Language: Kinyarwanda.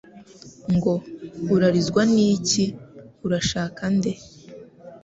ngo: " Urarizwa ni iki ? Urashaka nde ?"